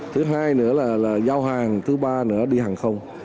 thứ hai nữa là giao hàng thứ ba nữa đi hàng không